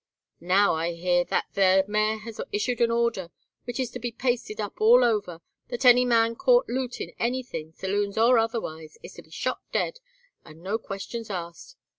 Now, I hear, that there mayor has issued an order, which is to be pasted up all over, that any man caught lootin' anything, saloons or otherwise, is to be shot dead and no questions asked.